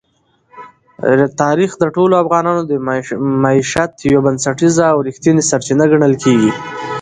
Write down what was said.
تاریخ د ټولو افغانانو د معیشت یوه بنسټیزه او رښتینې سرچینه ګڼل کېږي.